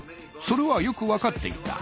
それはよく分かっていた。